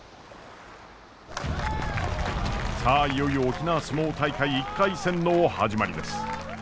さあいよいよ沖縄角力大会１回戦の始まりです。